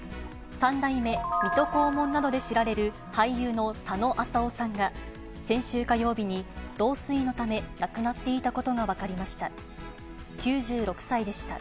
３代目水戸黄門などで知られる俳優の佐野浅夫さんが、先週火曜日に老衰のため、亡くなっていたことが分かりました。